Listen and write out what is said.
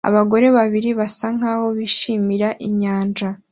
Abagore babiri basa nkaho bishimira inyanja